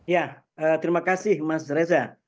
ya terima kasih mas reza